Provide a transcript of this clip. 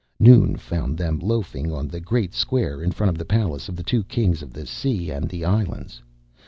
Noon found them loafing on the great square in front of the Palace of the Two Kings of the Sea and the Islands.